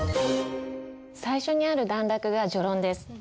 最初にある段落が「序論」です。